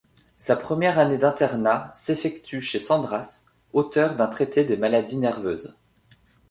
Sa première année d'internat s'effectue chez Sandras, auteur d'un traité des maladies nerveuses.